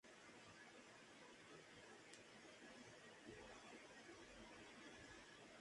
El templo fue edificado sobre un montículo elevado construido en gran parte artificialmente.